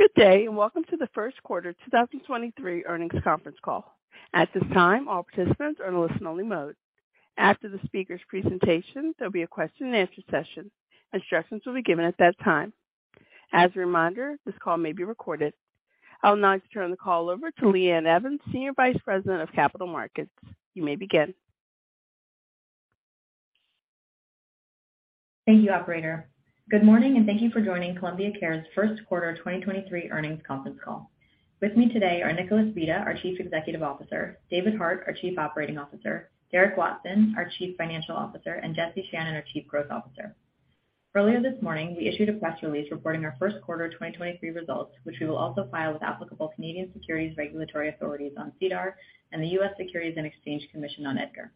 Good day, welcome to the First Quarter 2023 Earnings Conference Call. At this time, all participants are in a listen only mode. After the speaker's presentation, there'll be a question and answer session. Instructions will be given at that time. As a reminder, this call may be recorded. I would now like to turn the call over to Lee Ann Evans, Senior Vice President of Capital Markets. You may begin. Thank you, operator. Good morning, and thank you for joining Columbia Care's first quarter 2023 earnings conference call. With me today are Nicholas Vita, our Chief Executive Officer, David Hart, our Chief Operating Officer, Derek Watson, our Chief Financial Officer, and Jesse Channon, our Chief Growth Officer. Earlier this morning, we issued a press release reporting our first quarter 2023 results, which we will also file with applicable Canadian securities regulatory authorities on SEDAR and the U.S. Securities and Exchange Commission on EDGAR.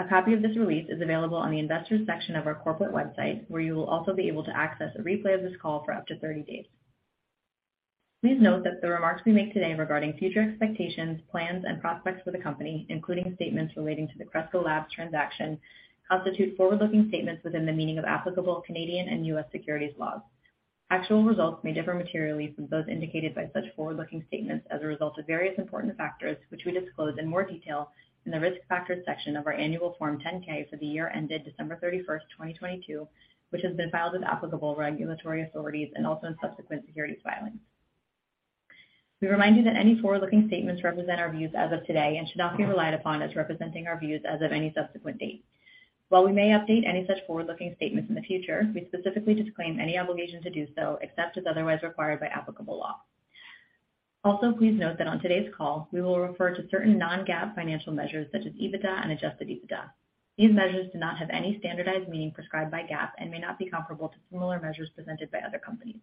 A copy of this release is available on the investors section of our corporate website, where you will also be able to access a replay of this call for up to 30 days. Please note that the remarks we make today regarding future expectations, plans and prospects for the company, including statements relating to the Cresco Labs transaction, constitute forward-looking statements within the meaning of applicable Canadian and U.S. securities laws. Actual results may differ materially from those indicated by such forward-looking statements as a result of various important factors which we disclose in more detail in the Risk Factors section of our annual Form 10-K for the year ended December 31st, 2022, which has been filed with applicable regulatory authorities and also in subsequent securities filings. We remind you that any forward-looking statements represent our views as of today and should not be relied upon as representing our views as of any subsequent date. While we may update any such forward-looking statements in the future, we specifically disclaim any obligation to do so, except as otherwise required by applicable law. Also, please note that on today's call we will refer to certain non-GAAP financial measures such as EBITDA and Adjusted EBITDA. These measures do not have any standardized meaning prescribed by GAAP and may not be comparable to similar measures presented by other companies.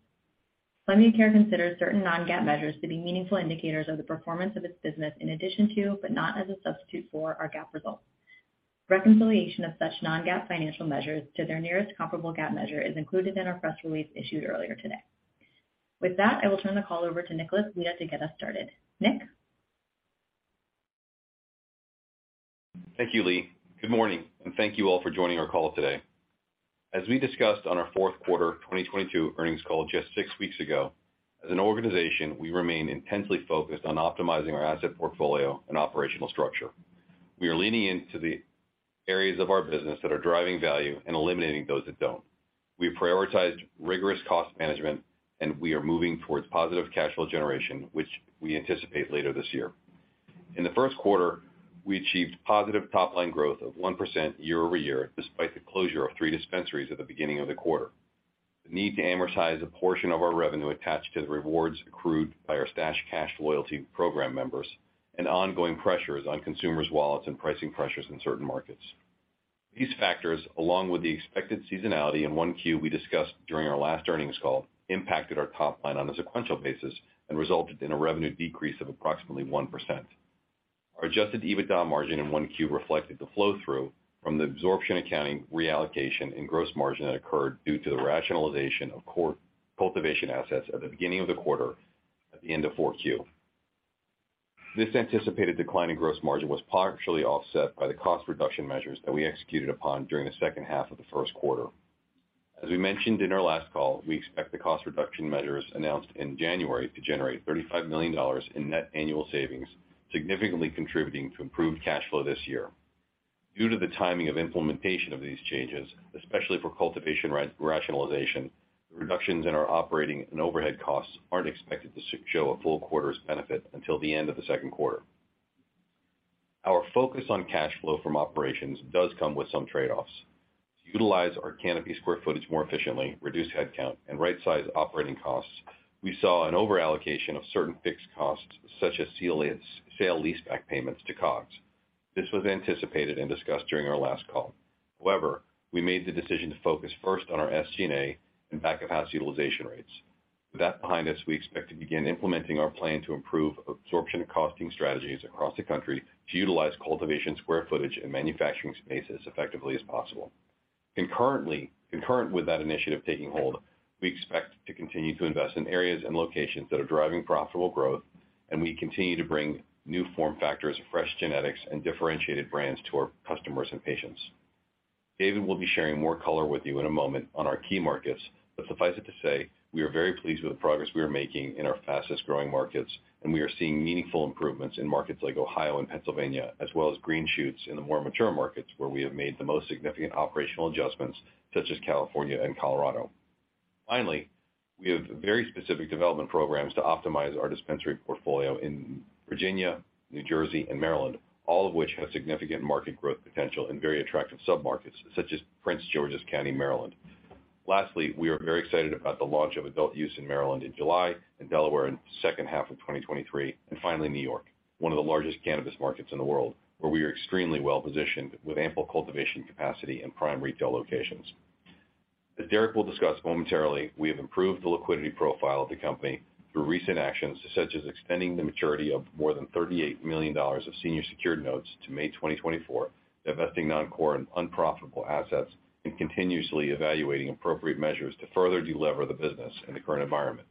Columbia Care considers certain non-GAAP measures to be meaningful indicators of the performance of its business in addition to, but not as a substitute for, our GAAP results. Reconciliation of such non-GAAP financial measures to their nearest comparable GAAP measure is included in our press release issued earlier today. With that, I will turn the call over to Nicholas Vita to get us started. Nick. Thank you, Lee. Good morning, thank you all for joining our call today. As we discussed on our fourth quarter 2022 earnings call just 6 weeks ago, as an organization, we remain intensely focused on optimizing our asset portfolio and operational structure. We are leaning into the areas of our business that are driving value and eliminating those that don't. We have prioritized rigorous cost management, and we are moving towards positive cash flow generation, which we anticipate later this year. In the first quarter, we achieved positive top line growth of 1% year-over-year, despite the closure of 3 dispensaries at the beginning of the quarter. The need to amortize a portion of our revenue attached to the rewards accrued by our Stash Cash loyalty program members and ongoing pressures on consumers wallets and pricing pressures in certain markets. These factors, along with the expected seasonality in 1Q we discussed during our last earnings call, impacted our top line on a sequential basis and resulted in a revenue decrease of approximately 1%. Our Adjusted EBITDA margin in 1Q reflected the flow through from the absorption accounting reallocation and gross margin that occurred due to the rationalization of cultivation assets at the beginning of the quarter at the end of 4Q. This anticipated decline in gross margin was partially offset by the cost reduction measures that we executed upon during the second half of the first quarter. As we mentioned in our last call, we expect the cost reduction measures announced in January to generate $35 million in net annual savings, significantly contributing to improved cash flow this year. Due to the timing of implementation of these changes, especially for cultivation rationalization, the reductions in our operating and overhead costs aren't expected to show a full quarter's benefit until the end of the second quarter. Our focus on cash flow from operations does come with some trade-offs. To utilize our canopy square footage more efficiently, reduce headcount, and right size operating costs, we saw an over allocation of certain fixed costs such as sale-leaseback payments to COGS. This was anticipated and discussed during our last call. We made the decision to focus first on our SG&A and back of house utilization rates. With that behind us, we expect to begin implementing our plan to improve absorption costing strategies across the country to utilize cultivation square footage and manufacturing space as effectively as possible. Concurrent with that initiative taking hold, we expect to continue to invest in areas and locations that are driving profitable growth. We continue to bring new form factors, fresh genetics, and differentiated brands to our customers and patients. David will be sharing more color with you in a moment on our key markets. Suffice it to say, we are very pleased with the progress we are making in our fastest-growing markets. We are seeing meaningful improvements in markets like Ohio and Pennsylvania, as well as green shoots in the more mature markets where we have made the most significant operational adjustments, such as California and Colorado. Finally, we have very specific development programs to optimize our dispensary portfolio in Virginia, New Jersey and Maryland, all of which have significant market growth potential in very attractive submarkets such as Prince George's County, Maryland. Lastly, we are very excited about the launch of adult use in Maryland in July and Delaware in second half of 2023. Finally, New York, one of the largest cannabis markets in the world, where we are extremely well-positioned with ample cultivation capacity and prime retail locations. As Derek will discuss momentarily, we have improved the liquidity profile of the company through recent actions such as extending the maturity of more than $38 million of senior secured notes to May 2024, divesting non-core and unprofitable assets, and continuously evaluating appropriate measures to further delever the business in the current environment.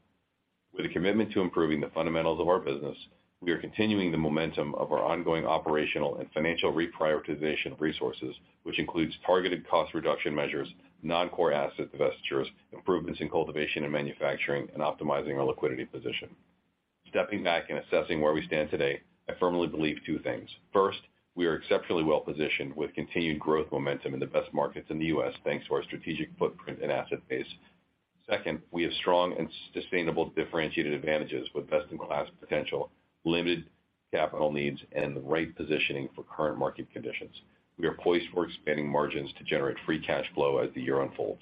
With a commitment to improving the fundamentals of our business, we are continuing the momentum of our ongoing operational and financial reprioritization of resources, which includes targeted cost reduction measures, non-core asset divestitures, improvements in cultivation and manufacturing, and optimizing our liquidity position. Stepping back and assessing where we stand today, I firmly believe two things. First, we are exceptionally well-positioned with continued growth momentum in the best markets in the U.S., thanks to our strategic footprint and asset base. Second, we have strong and sustainable differentiated advantages with best-in-class potential, limited capital needs, and the right positioning for current market conditions. We are poised for expanding margins to generate free cash flow as the year unfolds.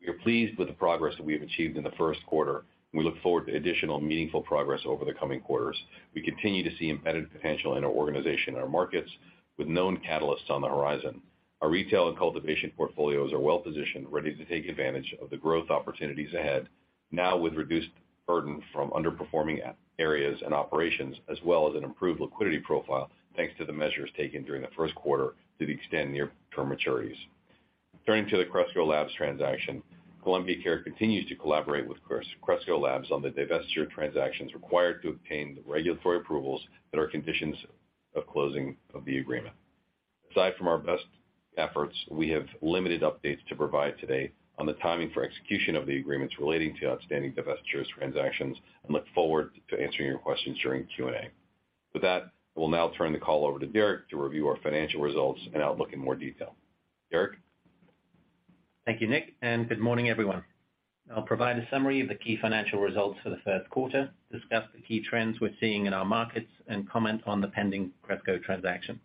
We are pleased with the progress that we have achieved in the first quarter. We look forward to additional meaningful progress over the coming quarters. We continue to see embedded potential in our organization and our markets with known catalysts on the horizon. Our retail and cultivation portfolios are well-positioned, ready to take advantage of the growth opportunities ahead now with reduced burden from underperforming areas and operations, as well as an improved liquidity profile, thanks to the measures taken during the first quarter to the extend near-term maturities. Turning to the Cresco Labs transaction, Columbia Care continues to collaborate with Cresco Labs on the divestiture transactions required to obtain the regulatory approvals that are conditions of closing of the agreement. Aside from our best efforts, we have limited updates to provide today on the timing for execution of the agreements relating to outstanding divestitures transactions and look forward to answering your questions during Q&A. With that, we'll now turn the call over to Derek to review our financial results and outlook in more detail. Derek? Thank you, Nick. Good morning, everyone. I'll provide a summary of the key financial results for the first quarter, discuss the key trends we're seeing in our markets, and comment on the pending Cresco transaction.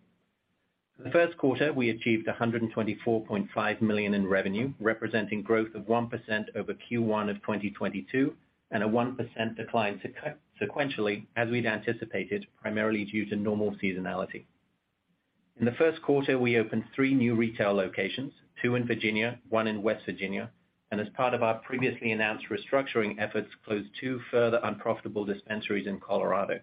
For the first quarter, we achieved $124.5 million in revenue, representing growth of 1% over Q1 of 2022, and a 1% decline sequentially, as we'd anticipated, primarily due to normal seasonality. In the first quarter, we opened three new retail locations, two in Virginia, one in West Virginia, and as part of our previously announced restructuring efforts, closed two further unprofitable dispensaries in Colorado.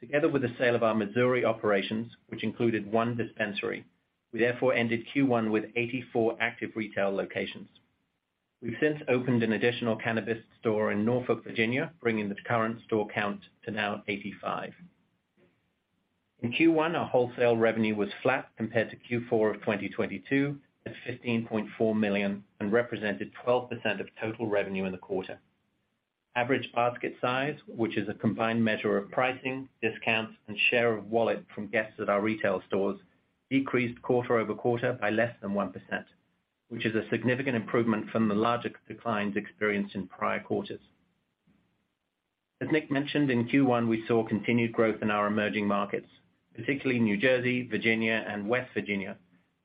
Together with the sale of our Missouri operations, which included one dispensary, we therefore ended Q1 with 84 active retail locations. We've since opened an additional cannabis store in Norfolk, Virginia, bringing the current store count to now 85. In Q1, our wholesale revenue was flat compared to Q4 of 2022 at $15.4 million and represented 12% of total revenue in the quarter. Average basket size, which is a combined measure of pricing, discounts, and share of wallet from guests at our retail stores, decreased quarter-over-quarter by less than 1%, which is a significant improvement from the larger declines experienced in prior quarters. As Nick mentioned, in Q1, we saw continued growth in our emerging markets, particularly New Jersey, Virginia, and West Virginia,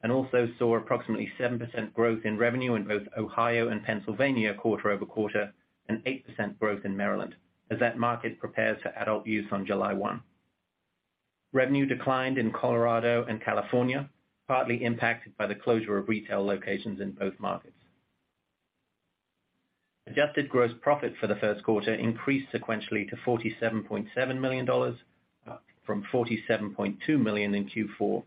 and also saw approximately 7% growth in revenue in both Ohio and Pennsylvania quarter-over-quarter, and 8% growth in Maryland as that market prepares for adult use on July 1. Revenue declined in Colorado and California, partly impacted by the closure of retail locations in both markets. Adjusted gross profit for the first quarter increased sequentially to $47.7 million from $47.2 million in Q4,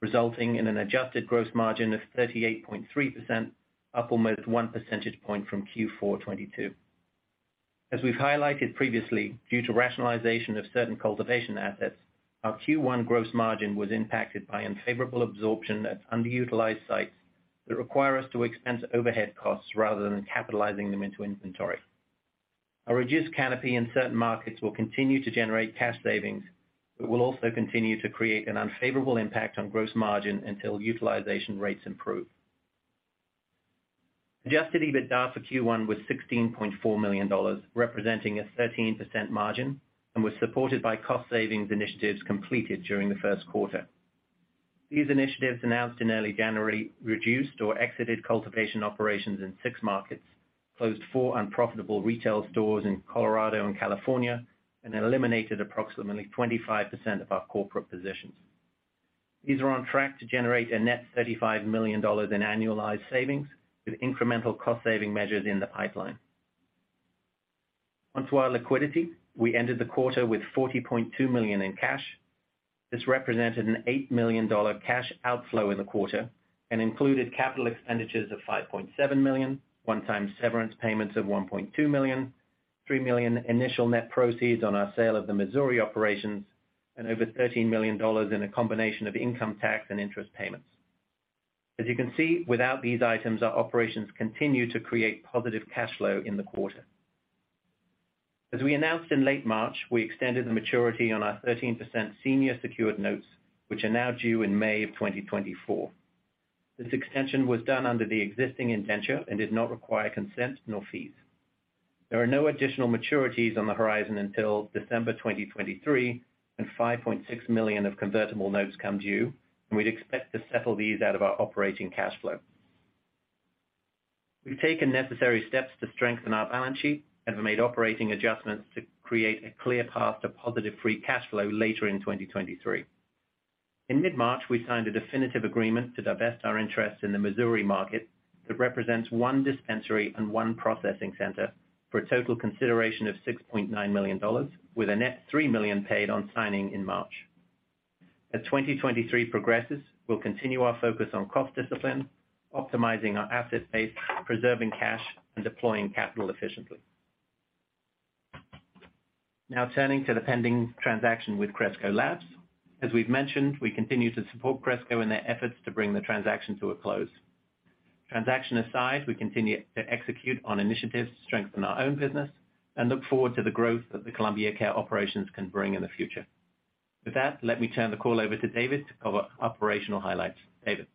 resulting in an adjusted gross margin of 38.3%, up almost 1 percentage point from Q4 2022. As we've highlighted previously, due to rationalization of certain cultivation assets, our Q1 gross margin was impacted by unfavorable absorption at underutilized sites that require us to expense overhead costs rather than capitalizing them into inventory. A reduced canopy in certain markets will continue to generate cash savings, but will also continue to create an unfavorable impact on gross margin until utilization rates improve. Adjusted EBITDA for Q1 was $16.4 million, representing a 13% margin, and was supported by cost savings initiatives completed during the first quarter. These initiatives, announced in early January, reduced or exited cultivation operations in six markets, closed four unprofitable retail stores in Colorado and California, and eliminated approximately 25% of our corporate positions. These are on track to generate a net $35 million in annualized savings with incremental cost-saving measures in the pipeline. Onto our liquidity, we ended the quarter with $40.2 million in cash. This represented an $8 million cash outflow in the quarter and included capital expenditures of $5.7 million, one-time severance payments of $1.2 million, $3 million initial net proceeds on our sale of the Missouri operations, and over $13 million in a combination of income tax and interest payments. As you can see, without these items, our operations continue to create positive cash flow in the quarter. We announced in late March, we extended the maturity on our 13% senior secured notes, which are now due in May of 2024. This extension was done under the existing indenture and did not require consent nor fees. There are no additional maturities on the horizon until December 2023 and $5.6 million of convertible notes come due. We'd expect to settle these out of our operating cash flow. We've taken necessary steps to strengthen our balance sheet and have made operating adjustments to create a clear path to positive free cash flow later in 2023. In mid-March, we signed a definitive agreement to divest our interest in the Missouri market that represents one dispensary and one processing center for a total consideration of $6.9 million with a net $3 million paid on signing in March. As 2023 progresses, we'll continue our focus on cost discipline, optimizing our asset base, preserving cash, and deploying capital efficiently. Turning to the pending transaction with Cresco Labs. As we've mentioned, we continue to support Cresco in their efforts to bring the transaction to a close. Transaction aside, we continue to execute on initiatives to strengthen our own business and look forward to the growth that the Columbia Care operations can bring in the future. With that, let me turn the call over to David to cover operational highlights. David?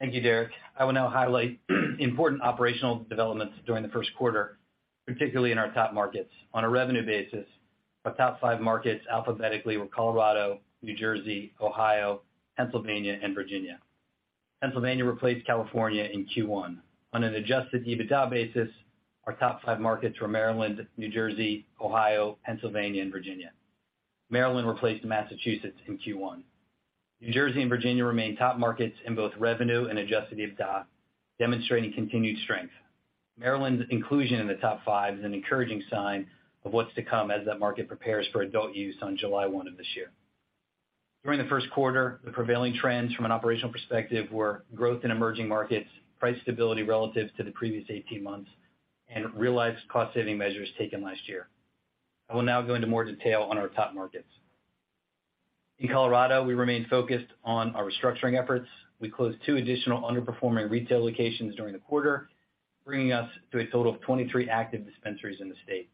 Thank you, Derek. I will now highlight important operational developments during the first quarter, particularly in our top markets. On a revenue basis, our top five markets alphabetically were Colorado, New Jersey, Ohio, Pennsylvania and Virginia. Pennsylvania replaced California in Q1. On an Adjusted EBITDA basis, our top five markets were Maryland, New Jersey, Ohio, Pennsylvania and Virginia. Maryland replaced Massachusetts in Q1. New Jersey and Virginia remain top markets in both revenue and Adjusted EBITDA, demonstrating continued strength. Maryland's inclusion in the top five is an encouraging sign of what's to come as that market prepares for adult use on July 1 of this year. During the first quarter, the prevailing trends from an operational perspective were growth in emerging markets, price stability relative to the previous 18 months, and realized cost saving measures taken last year. I will now go into more detail on our top markets. In Colorado, we remain focused on our restructuring efforts. We closed two additional underperforming retail locations during the quarter, bringing us to a total of 23 active dispensaries in the state.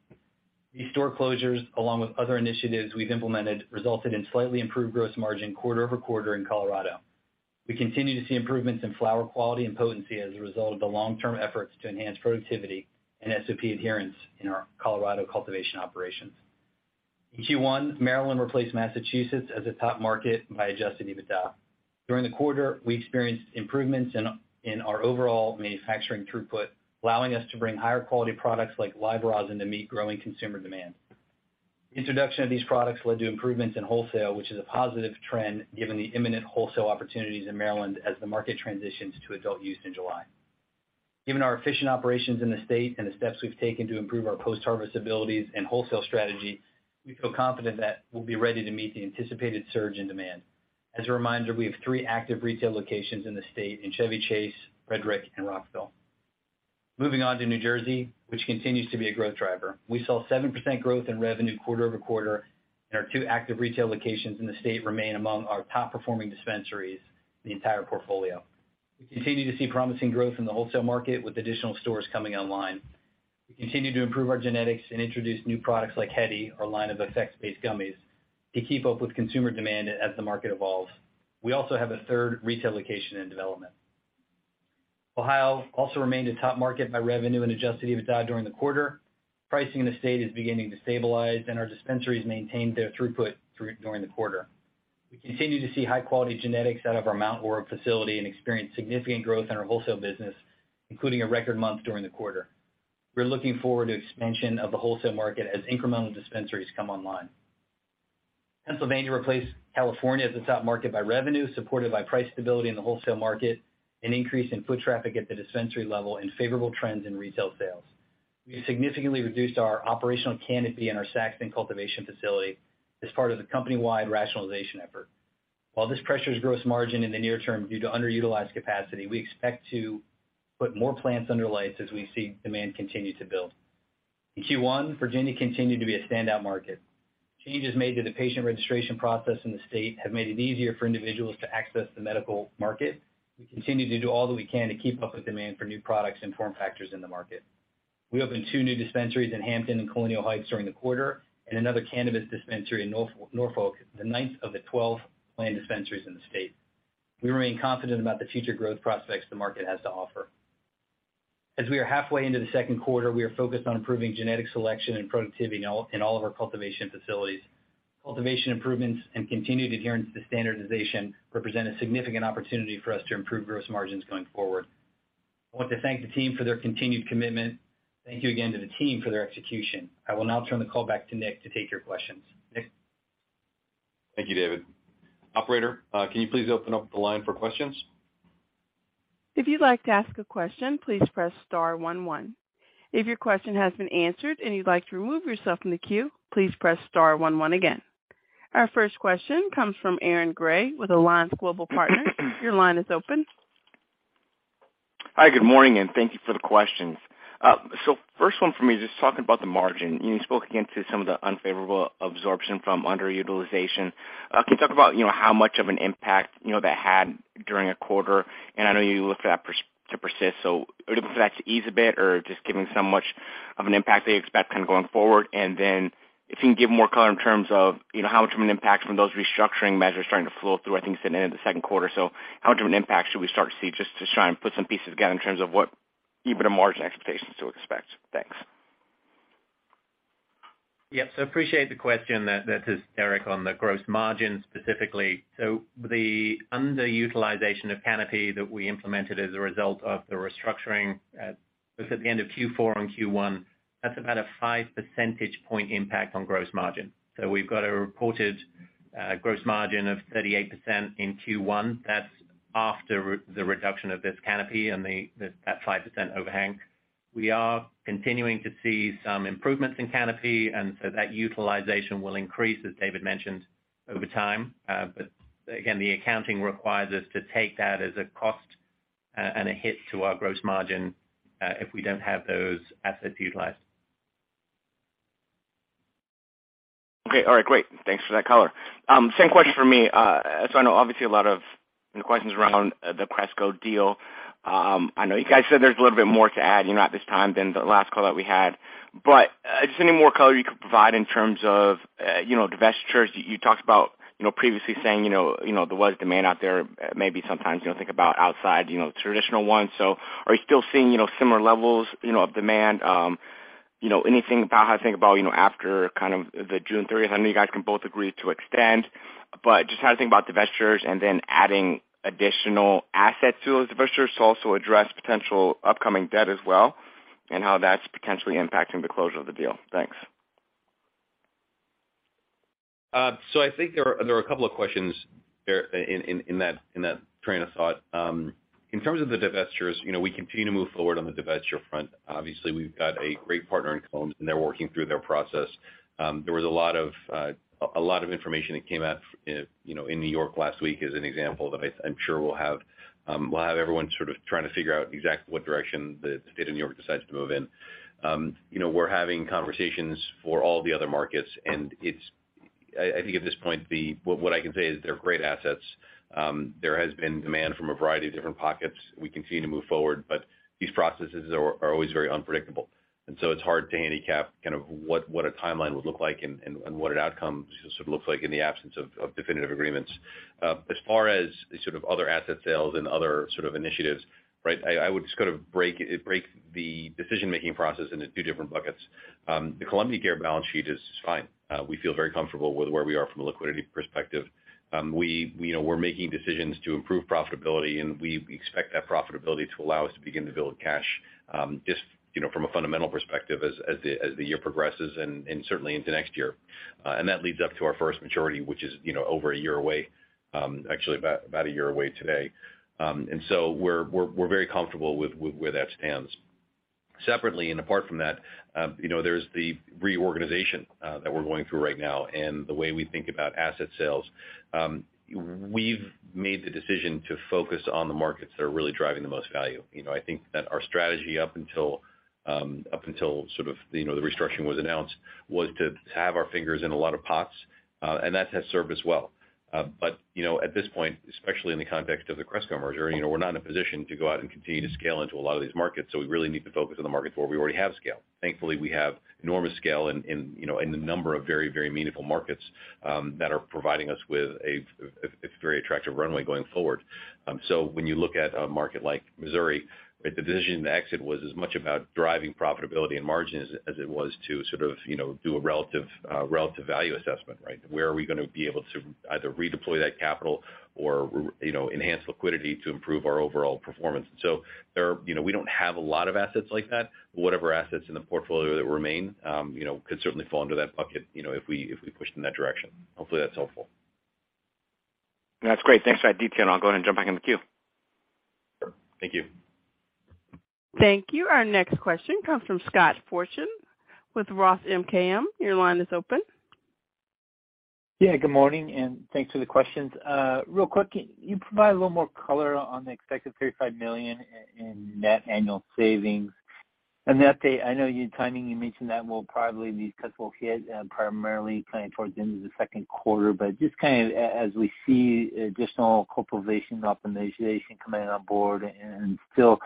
These store closures, along with other initiatives we've implemented, resulted in slightly improved gross margin quarter-over-quarter in Colorado. We continue to see improvements in flower quality and potency as a result of the long-term efforts to enhance productivity and SOP adherence in our Colorado cultivation operations. In Q1, Maryland replaced Massachusetts as a top market by Adjusted EBITDA. During the quarter, we experienced improvements in our overall manufacturing throughput, allowing us to bring higher quality products like live rosin to meet growing consumer demand. Introduction of these products led to improvements in wholesale, which is a positive trend given the imminent wholesale opportunities in Maryland as the market transitions to adult use in July. Given our efficient operations in the state and the steps we've taken to improve our post-harvest abilities and wholesale strategy, we feel confident that we'll be ready to meet the anticipated surge in demand. As a reminder, we have three active retail locations in the state in Chevy Chase, Frederick and Rockville. Moving on to New Jersey, which continues to be a growth driver. We saw 7% growth in revenue quarter-over-quarter, and our two active retail locations in the state remain among our top performing dispensaries in the entire portfolio. We continue to see promising growth in the wholesale market with additional stores coming online. We continue to improve our genetics and introduce new products like Hedy, our line of effects-based gummies, to keep up with consumer demand as the market evolves. We also have a third retail location in development. Ohio also remained a top market by revenue and Adjusted EBITDA during the quarter. Pricing in the state is beginning to stabilize, and our dispensaries maintained their throughput during the quarter. We continue to see high quality genetics out of our Mount Orab facility and experienced significant growth in our wholesale business, including a record month during the quarter. We're looking forward to expansion of the wholesale market as incremental dispensaries come online. Pennsylvania replaced California as the top market by revenue, supported by price stability in the wholesale market, an increase in foot traffic at the dispensary level, and favorable trends in retail sales. We significantly reduced our operational canopy in our Saxton cultivation facility as part of the company-wide rationalization effort. While this pressures gross margin in the near term due to underutilized capacity, we expect to put more plants under lights as we see demand continue to build. In Q1, Virginia continued to be a standout market. Changes made to the patient registration process in the state have made it easier for individuals to access the medical market. We continue to do all that we can to keep up with demand for new products and form factors in the market. We opened two new dispensaries in Hampton and Colonial Heights during the quarter, and another cannabis dispensary in Norfolk, the ninth of the 12 planned dispensaries in the state. We remain confident about the future growth prospects the market has to offer. We are halfway into the second quarter, we are focused on improving genetic selection and productivity in all of our cultivation facilities. Cultivation improvements and continued adherence to standardization represent a significant opportunity for us to improve gross margins going forward. I want to thank the team for their continued commitment. Thank you again to the team for their execution. I will now turn the call back to Nick to take your questions. Nick? Thank you, David. Operator, can you please open up the line for questions? If you'd like to ask a question, please press star one one. If your question has been answered and you'd like to remove yourself from the queue, please press star one one again. Our first question comes from Aaron Grey with Alliance Global Partners. Your line is open. Hi, good morning, and thank you for the questions. First one for me, just talking about the margin. You spoke again to some of the unfavorable absorption from underutilization. Can you talk about, you know, how much of an impact, you know, that had during a quarter? I know you look for that to persist, so are you looking for that to ease a bit or just giving so much of an impact that you expect kind of going forward? Then if you can give more color in terms of, you know, how much of an impact from those restructuring measures starting to flow through, I think it's the end of the second quarter. How much of an impact should we start to see just to try and put some pieces together in terms of what EBITDA margin expectations to expect? Thanks. Yeah. Appreciate the question. This is Derek on the gross margin specifically. The underutilization of canopy that we implemented as a result of the restructuring was at the end of Q4 and Q1. That's about a 5 percentage point impact on gross margin. We've got a reported gross margin of 38% in Q1. That's after the reduction of this canopy and the 5% overhang. We are continuing to see some improvements in canopy, and so that utilization will increase, as David mentioned, over time. Again, the accounting requires us to take that as a cost, and a hit to our gross margin if we don't have those assets utilized. Okay. All right, great. Thanks for that color. Same question from me. I know obviously a lot of questions around the Cresco deal. I know you guys said there's a little bit more to add, you know, at this time than the last call that we had, but, just any more color you could provide in terms of, you know, divestitures. You talked about, you know, previously saying, you know, there was demand out there, maybe sometimes, you know, think about outside, you know, traditional ones. Are you still seeing, you know, similar levels, you know, of demand? Anything about how to think about, you know, after kind of the June 30th? I know you guys can both agree to extend, but just how to think about divestitures and then adding additional assets to those divestitures to also address potential upcoming debt as well, and how that's potentially impacting the closure of the deal. Thanks. I think there are a couple of questions there in that train of thought. In terms of the divestitures, you know, we continue to move forward on the divestiture front. Obviously, we've got a great partner in Combs, and they're working through their process. There was a lot of information that came out, you know, in New York last week as an example that I'm sure we'll have. We'll have everyone sort of trying to figure out exactly what direction the state of New York decides to move in. You know, we're having conversations for all the other markets, and I think at this point, what I can say is they're great assets. There has been demand from a variety of different pockets. We continue to move forward, but these processes are always very unpredictable. It's hard to handicap kind of what a timeline would look like and what an outcome sort of looks like in the absence of definitive agreements. As far as the sort of other asset sales and other sort of initiatives, right? I would just kind of break the decision-making process into two different buckets. The Columbia Care balance sheet is fine. We feel very comfortable with where we are from a liquidity perspective. We, you know, we're making decisions to improve profitability, and we expect that profitability to allow us to begin to build cash, just, you know, from a fundamental perspective as the year progresses and certainly into next year. That leads up to our first maturity, which is, you know, over a year away, actually about a year away today. We're very comfortable with where that stands. Separately and apart from that, you know, there's the reorganization that we're going through right now and the way we think about asset sales. We've made the decision to focus on the markets that are really driving the most value. You know, I think that our strategy up until, up until sort of, you know, the restructuring was announced, was to have our fingers in a lot of pots, that has served us well. You know, at this point, especially in the context of the Cresco merger, you know, we're not in a position to go out and continue to scale into a lot of these markets, so we really need to focus on the markets where we already have scale. Thankfully, we have enormous scale in, you know, in the number of very, very meaningful markets that are providing us with a very attractive runway going forward. When you look at a market like Missouri, the decision to exit was as much about driving profitability and margins as it was to sort of, you know, do a relative value assessment, right? Where are we gonna be able to either redeploy that capital or you know, enhance liquidity to improve our overall performance? You know, we don't have a lot of assets like that. Whatever assets in the portfolio that remain, you know, could certainly fall under that bucket, you know, if we, if we pushed in that direction. Hopefully, that's helpful. That's great. Thanks for that detail, and I'll go ahead and jump back in the queue. Sure. Thank you. Thank you. Our next question comes from Scott Fortune with Roth MKM. Your line is open. Yeah, good morning, and thanks for the questions. Real quick, can you provide a little more color on the expected $35 million in net annual savings? An update, I know timing, you mentioned that will probably be touchable hit primarily kind of towards the end of the second quarter. Just kind of as we see additional corporation optimization coming on board and still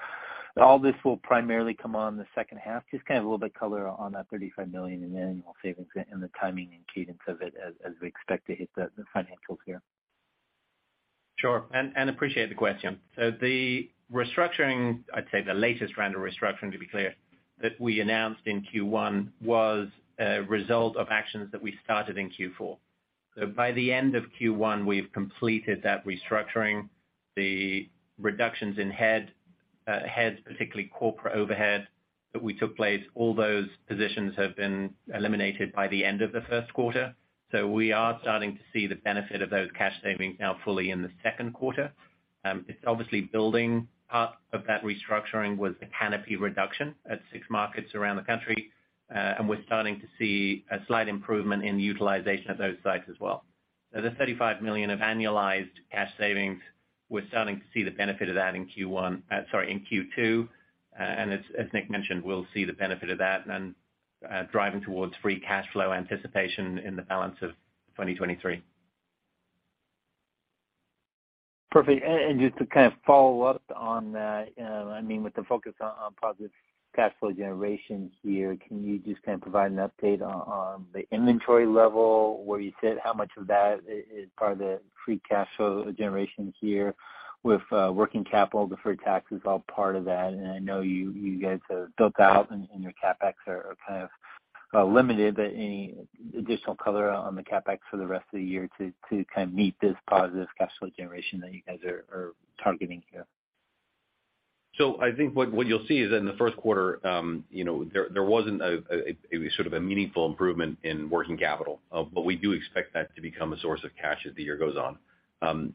all this will primarily come on in the second half, just kind of a little bit color on that $35 million in annual savings and the timing and cadence of it as we expect to hit the financials here. Sure. Appreciate the question. The restructuring, I'd say the latest round of restructuring, to be clear, that we announced in Q1, was a result of actions that we started in Q4. By the end of Q1, we've completed that restructuring. The reductions in heads, particularly corporate overhead, that we took place, all those positions have been eliminated by the end of the first quarter. We are starting to see the benefit of those cash savings now fully in the second quarter. It's obviously building. Part of that restructuring was the canopy reduction at 6 markets around the country, and we're starting to see a slight improvement in the utilization of those sites as well. The $35 million of annualized cash savings, we're starting to see the benefit of that in Q1, sorry, in Q2. As Nick mentioned, we'll see the benefit of that and driving towards free cash flow anticipation in the balance of 2023. Perfect. Just to kind of follow up on that, I mean, with the focus on positive cash flow generation here, can you just kind of provide an update on the inventory level, where you said how much of that is part of the free cash flow generation here with working capital, deferred tax is all part of that. I know you guys have built out and your CapEx are kind of limited, but any additional color on the CapEx for the rest of the year to kind of meet this positive cash flow generation that you guys are targeting here? I think what you'll see is that in the first quarter, you know, there wasn't a sort of a meaningful improvement in working capital, but we do expect that to become a source of cash as the year goes on.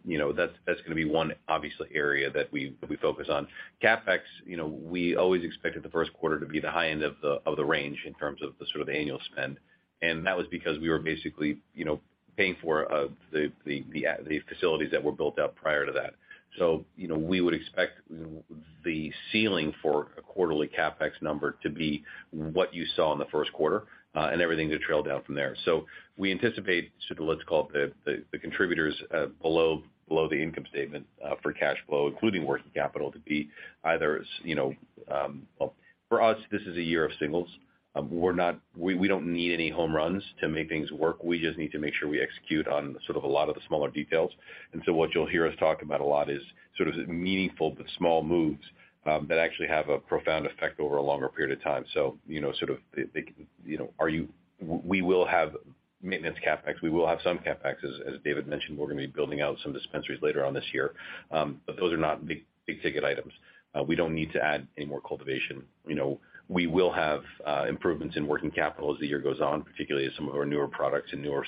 You know, that's gonna be one obviously area that we focus on. CapEx, you know, we always expected the first quarter to be the high end of the range in terms of the sort of annual spend. That was because we were basically, you know, paying for the facilities that were built out prior to that. You know, we would expect the ceiling for a quarterly CapEx number to be what you saw in the first quarter, and everything to trail down from there. We anticipate, sort of let's call it the contributors below the income statement for cash flow, including working capital to be either, you know, For us, this is a year of singles. We don't need any home runs to make things work. We just need to make sure we execute on sort of a lot of the smaller details. What you'll hear us talk about a lot is sort of meaningful, but small moves that actually have a profound effect over a longer period of time. You know, sort of, We will have maintenance CapEx. We will have some CapEx. As David mentioned, we're gonna be building out some dispensaries later on this year. Those are not big-ticket items. We don't need to add any more cultivation. You know, we will have improvements in working capital as the year goes on, particularly as some of our newer products and newer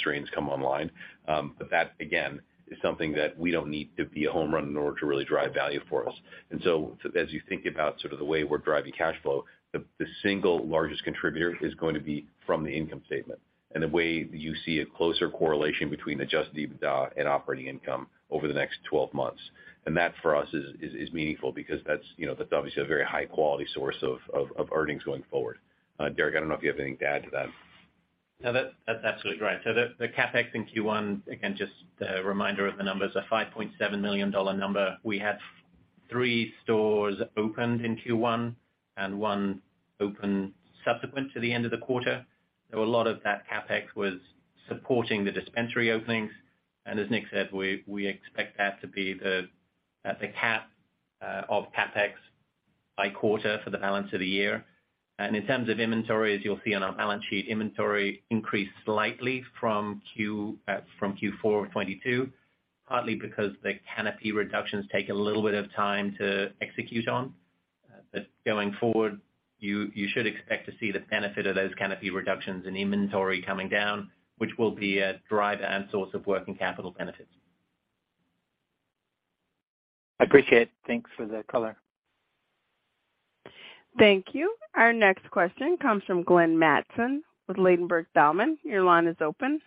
strains come online. But that again, is something that we don't need to be a home run in order to really drive value for us. As you think about sort of the way we're driving cash flow, the single largest contributor is going to be from the income statement. You see a closer correlation between Adjusted EBITDA and operating income over the next 12 months. That for us is meaningful because that's, you know, that's obviously a very high-quality source of earnings going forward. Derek, I don't know if you have anything to add to that. No, that's absolutely right. The CapEx in Q1, again, just a reminder of the numbers, a $5.7 million number. We had three stores opened in Q1 and one opened subsequent to the end of the quarter. A lot of that CapEx was supporting the dispensary openings. As Nick said, we expect that to be the cap of CapEx by quarter for the balance of the year. In terms of inventory, as you'll see on our balance sheet, inventory increased slightly from Q4 2022, partly because the canopy reductions take a little bit of time to execute on. Going forward, you should expect to see the benefit of those canopy reductions in inventory coming down, which will be a driver and source of working capital benefits. I appreciate it. Thanks for the color. Thank you. Our next question comes from Glenn Mattson with Ladenburg Thalmann. Your line is open.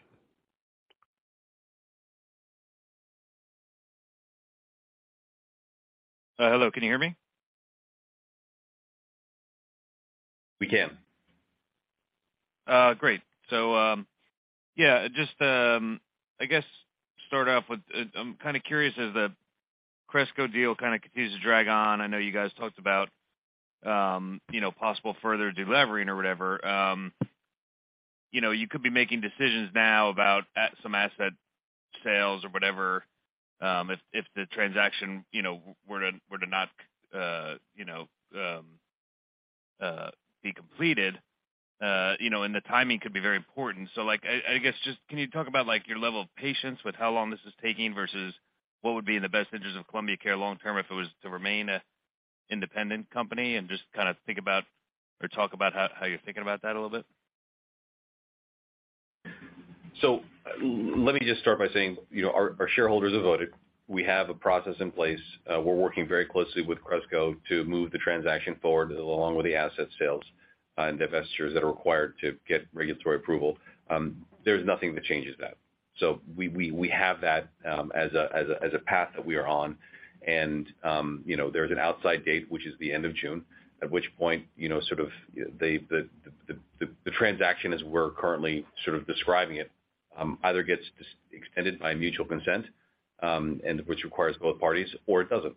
Hello, can you hear me? We can. Great. Yeah, just, I guess start off with, I'm kind of curious as the Cresco deal kind of continues to drag on. I know you guys talked about, you know, possible further delevering or whatever. You know, you could be making decisions now about some asset sales or whatever, if the transaction, you know, were to not, you know, be completed, you know, and the timing could be very important. Like, I guess just can you talk about, like, your level of patience with how long this is taking versus what would be in the best interest of Columbia Care long term if it was to remain an independent company? Just kind of think about, or talk about how you're thinking about that a little bit. Let me just start by saying, you know, our shareholders have voted. We have a process in place. We're working very closely with Cresco to move the transaction forward, along with the asset sales and divestitures that are required to get regulatory approval. There's nothing that changes that. We have that as a path that we are on. You know, there's an outside date, which is the end of June, at which point, you know, sort of the transaction as we're currently sort of describing it, either gets extended by mutual consent, and which requires both parties, or it doesn't.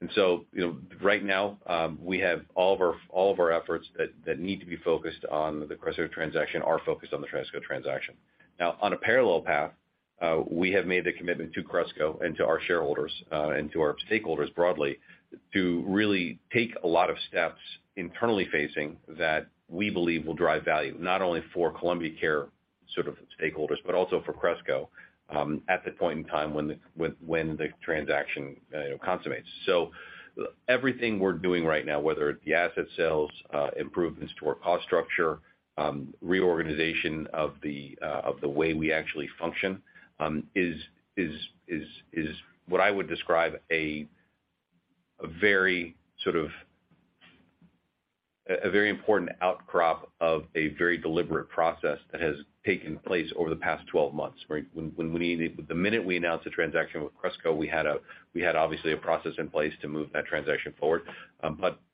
You know, right now, we have all of our efforts that need to be focused on the Cresco transaction are focused on the Cresco transaction. Now, on a parallel path, we have made the commitment to Cresco and to our shareholders, and to our stakeholders broadly, to really take a lot of steps internally facing that we believe will drive value, not only for The Cannabist Company sort of stakeholders, but also for Cresco, at the point in time when the transaction, you know, consummates. Everything we're doing right now, whether it's the asset sales, improvements to our cost structure, reorganization of the way we actually function, is what I would describe a very sort of, a very important outcrop of a very deliberate process that has taken place over the past 12 months. The minute we announced the transaction with Cresco, we had obviously a process in place to move that transaction forward.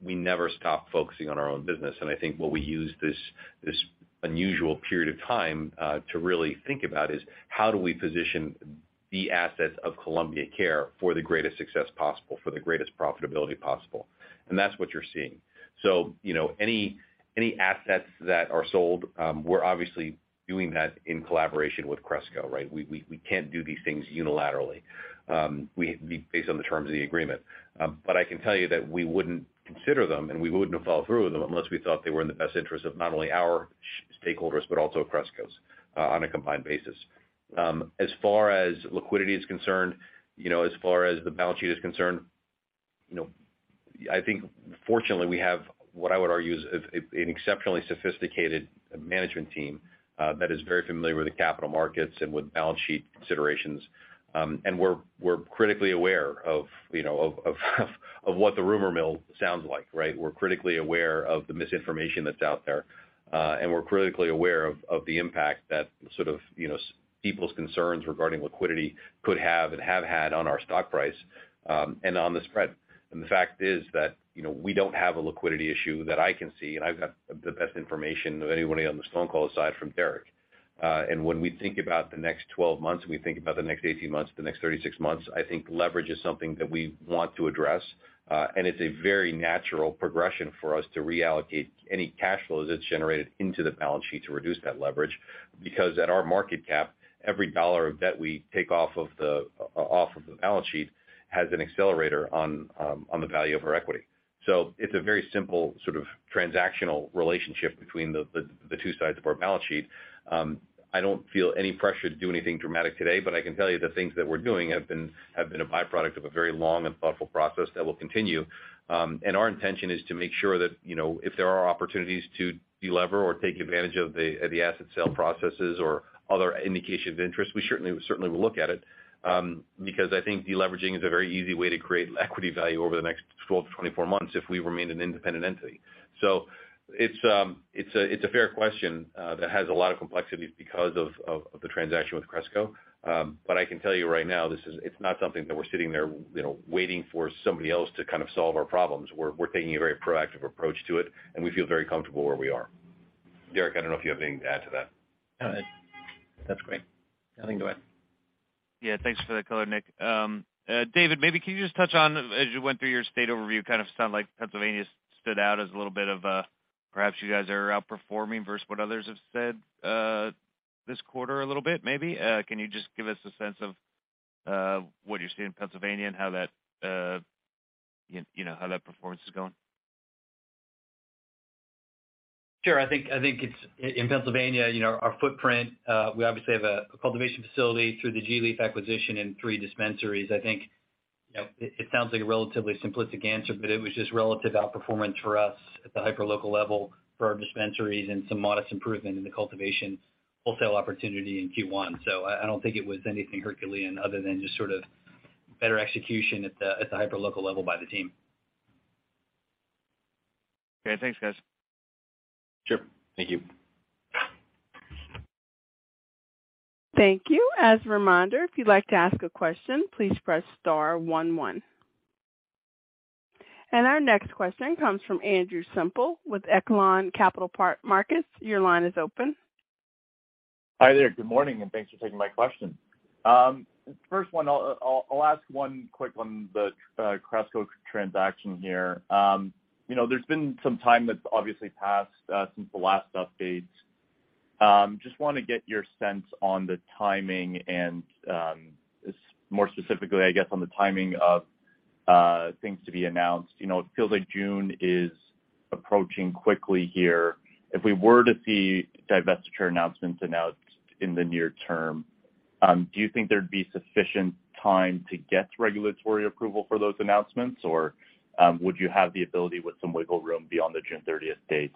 We never stopped focusing on our own business. I think what we used this unusual period of time, to really think about is how do we position the assets of Columbia Care for the greatest success possible, for the greatest profitability possible? That's what you're seeing. You know, any assets that are sold, we're obviously doing that in collaboration with Cresco, right? We can't do these things unilaterally, based on the terms of the agreement. I can tell you that we wouldn't consider them, and we wouldn't have followed through with them unless we thought they were in the best interest of not only our stakeholders, but also Cresco's, on a combined basis. As far as liquidity is concerned, you know, as far as the balance sheet is concerned, you know, I think fortunately we have what I would argue is an exceptionally sophisticated management team that is very familiar with the capital markets and with balance sheet considerations. We're critically aware of, you know, of what the rumor mill sounds like, right? We're critically aware of the misinformation that's out there. We're critically aware of the impact that sort of, you know, people's concerns regarding liquidity could have and have had on our stock price, and on the spread. The fact is that, you know, we don't have a liquidity issue that I can see, and I've got the best information of anybody on this phone call aside from Derek. When we think about the next 12 months, we think about the next 18 months, the next 36 months, I think leverage is something that we want to address. It's a very natural progression for us to reallocate any cash flows that's generated into the balance sheet to reduce that leverage. At our market cap, every $1 of debt we take off of the balance sheet has an accelerator on the value of our equity. It's a very simple sort of transactional relationship between the two sides of our balance sheet. I don't feel any pressure to do anything dramatic today, but I can tell you the things that we're doing have been a byproduct of a very long and thoughtful process that will continue. Our intention is to make sure that, you know, if there are opportunities to delever or take advantage of the asset sale processes or other indications of interest, we certainly will look at it. Because I think deleveraging is a very easy way to create equity value over the next 12 to 24 months if we remain an independent entity. It's a, it's a fair question that has a lot of complexities because of the transaction with Cresco. I can tell you right now, it's not something that we're sitting there, you know, waiting for somebody else to kind of solve our problems. We're taking a very proactive approach to it, and we feel very comfortable where we are. Derek, I don't know if you have anything to add to that. No, that's great. I think go ahead. Yeah, thanks for the color, Nick. David, maybe can you just touch on, as you went through your state overview, kind of sound like Pennsylvania stood out as a little bit of a, perhaps you guys are outperforming versus what others have said, this quarter a little bit, maybe. Can you just give us a sense of, what you're seeing in Pennsylvania and how that, you know, how that performance is going? Sure. I think in Pennsylvania, you know, our footprint, we obviously have a cultivation facility through the gLeaf acquisition and three dispensaries. I think, you know, it sounds like a relatively simplistic answer, but it was just relative outperformance for us at the hyperlocal level for our dispensaries and some modest improvement in the cultivation wholesale opportunity in Q1. I don't think it was anything Herculean other than just sort of better execution at the hyperlocal level by the team. Okay. Thanks, guys. Sure. Thank you. Thank you. As a reminder, if you'd like to ask a question, please press star 1. Our next question comes from Andrew Semple with Echelon Capital Markets. Your line is open. Hi there. Good morning, and thanks for taking my question. First one, I'll ask one quick one, the Cresco transaction here. You know, there's been some time that's obviously passed since the last update. Just wanna get your sense on the timing and more specifically, I guess, on the timing of things to be announced. You know, it feels like June is approaching quickly here. If we were to see divestiture announcements announced in the near term, do you think there'd be sufficient time to get regulatory approval for those announcements? Would you have the ability with some wiggle room beyond the June thirtieth date?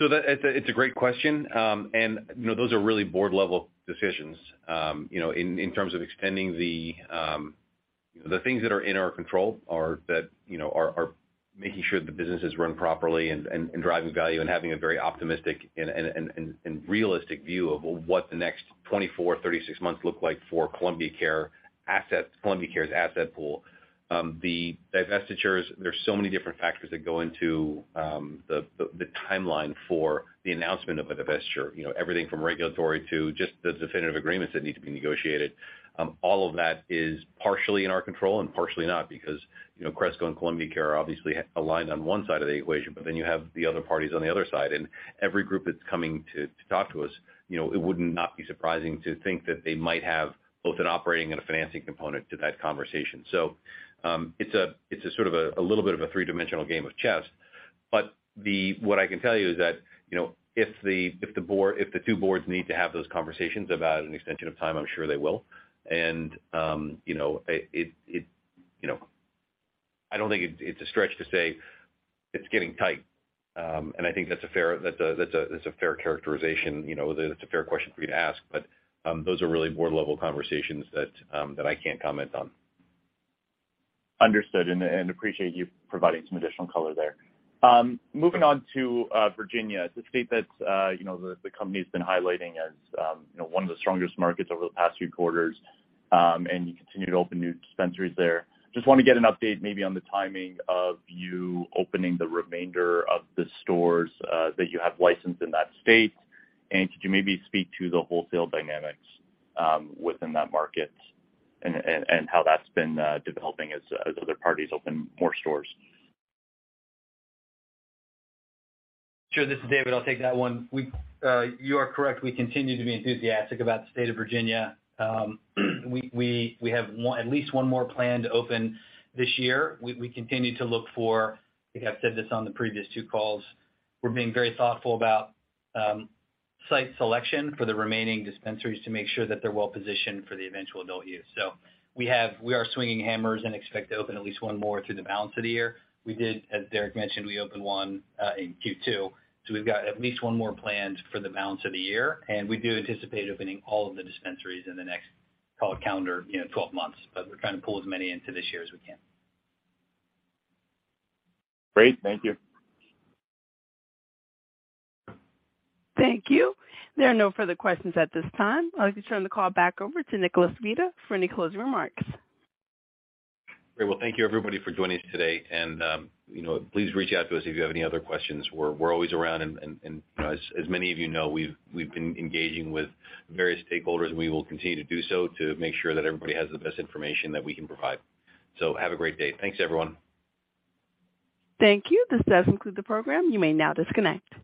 That. It's a great question. You know, those are really board-level decisions, you know, in terms of extending the, you know, the things that are in our control are that, you know, are making sure the business is run properly and driving value and having a very optimistic and realistic view of what the next 24, 36 months look like for Columbia Care assets, Columbia Care's asset pool. The divestitures, there's so many different factors that go into the timeline for the announcement of a divestiture. You know, everything from regulatory to just the definitive agreements that need to be negotiated. All of that is partially in our control and partially not because, you know, Cresco and Columbia Care are obviously aligned on one side of the equation, but then you have the other parties on the other side. Every group that's coming to talk to us, you know, it would not be surprising to think that they might have both an operating and a financing component to that conversation. It's a sort of a little bit of a three-dimensional game of chess. What I can tell you is that, you know, if the board, if the two boards need to have those conversations about an extension of time, I'm sure they will. You know, it, you know, I don't think it's a stretch to say it's getting tight. I think that's a fair, that's a fair characterization. You know, that's a fair question for you to ask. Those are really board-level conversations that I can't comment on. Understood. Appreciate you providing some additional color there. Moving on to Virginia. It's a state that, you know, the company's been highlighting as, you know, one of the strongest markets over the past few quarters. You continue to open new dispensaries there. Just wanna get an update maybe on the timing of you opening the remainder of the stores that you have licensed in that state. Could you maybe speak to the wholesale dynamics within that market and how that's been developing as other parties open more stores? Sure. This is David. I'll take that one. You are correct. We continue to be enthusiastic about the state of Virginia. We have one, at least one more plan to open this year. We continue to look for, I think I've said this on the previous two calls, we're being very thoughtful about site selection for the remaining dispensaries to make sure that they're well positioned for the eventual adult use. We are swinging hammers and expect to open at least one more through the balance of the year. We did, as Derek mentioned, we opened one in Q2. We've got at least 1 more planned for the balance of the year, and we do anticipate opening all of the dispensaries in the next, call it calendar, you know, 12 months, but we're trying to pull as many into this year as we can. Great. Thank you. Thank you. There are no further questions at this time. I'd like to turn the call back over to Nicholas Vita for any closing remarks. Great. Well, thank you, everybody, for joining us today. You know, please reach out to us if you have any other questions. We're always around. You know, as many of you know, we've been engaging with various stakeholders. We will continue to do so to make sure that everybody has the best information that we can provide. Have a great day. Thanks, everyone. Thank you. This does conclude the program. You may now disconnect.